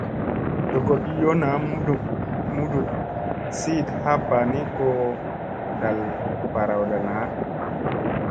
Dogoɗ yo naa muɗmuɗ siiɗ happa ni ko ɗal ɓarawɗa naa.